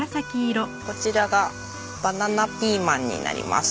こちらがバナナピーマンになります。